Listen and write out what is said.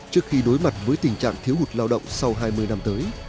trước khi đối mặt với tình trạng thiếu hụt lao động sau hai mươi năm tới